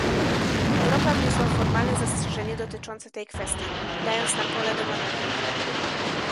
Europa wniosła formalne zastrzeżenie dotyczące tej kwestii, dając nam pole do manewru